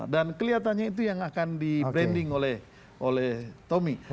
dan kelihatannya itu yang akan di branding oleh tommy